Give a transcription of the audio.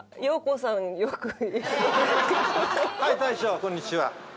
こんにちは。